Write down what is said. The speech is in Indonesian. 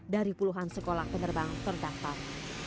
dari puluhan sekolah penerbangan terdapat